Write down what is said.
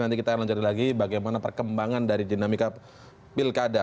nanti kita akan lanjutkan lagi bagaimana perkembangan dari dinamika pilkada